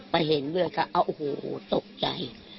ไปเห็นเลือดก็โอ้โหโหตกใจ